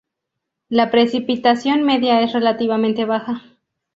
La precipitación media es relativamente baja.